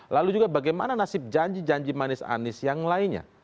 lalu juga bagaimana nasib janji janji manis anies yang lainnya